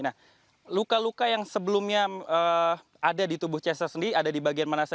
nah luka luka yang sebelumnya ada di tubuh chester sendiri ada di bagian mana saja